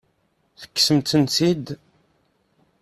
Tekksemt-ten-id?